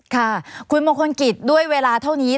ค่ะคุณมงคลกิจด้วยเวลาเท่านี้